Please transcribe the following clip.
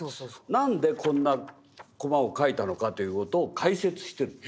何でこんなコマを描いたのかという事を解説してるの。